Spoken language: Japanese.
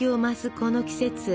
この季節